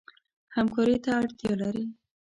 همکارۍ ته اړتیا لري.